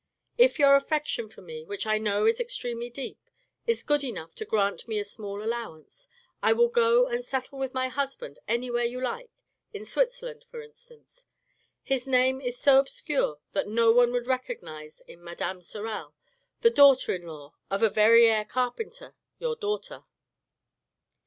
If your affection for me, which I know is extremely deep, is good enough to grant me a small allowance, I will go and settle with my husband anywhere you like, in Switzerland, for instance. His name is so obscure that no one would recognize in Madame Sorel, the daughter in law of a Verrieres' carpenter, your daughter.